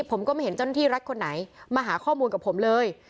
ผมก็ไม่เห็นเจ้าหน้าที่รัฐคนไหนมาหาข้อมูลกับผมเลย